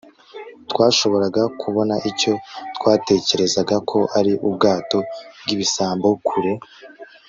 twashoboraga kubona icyo twatekerezaga ko ari ubwato bwibisambo kure